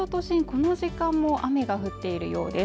この時間も雨が降っているようです